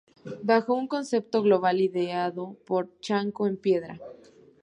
Bajo un concepto global ideado por Chancho en Piedra.